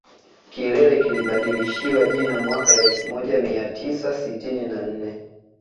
Kilele kilibadilishiwa jina mwaka elfu moja mia tisa sitini na nne